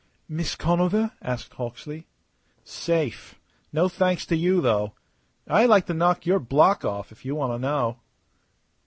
"Miss Conover?" asked Hawksley. "Safe. No thanks to you, though. I'd like to knock your block off, if you want to know!"